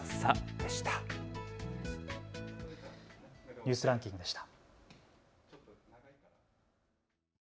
ニュースランキングでした。